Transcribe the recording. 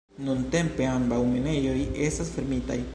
Nuntempe ambaŭ minejoj estas fermitaj.